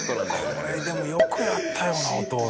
これでもよくやったよなお父さん。